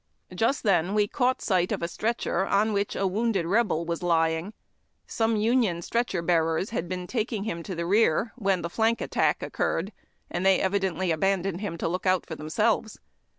Just then we caught sight of a stretcher on which a wounded Rebel was lying. Some Union stretcher bearers had been taking him to the rear when the flank attack occurred, when they evidently aban doned him to look out for themselves.